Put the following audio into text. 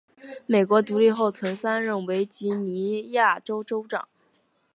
美国独立后曾三任维吉尼亚州州长。